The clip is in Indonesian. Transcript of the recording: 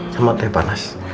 sama teh panas